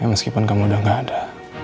meskipun kamu udah gak ada